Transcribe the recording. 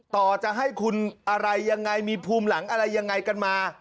ต่อจะให้คุณอะไรยังไงมีภูมิหลังอะไรยังไงกันมา